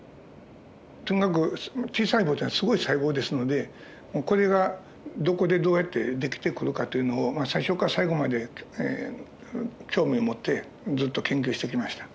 とにかくＴ細胞っていうのはすごい細胞ですのでこれがどこでどうやって出来てくるかというのを最初から最後まで興味を持ってずっと研究してきました。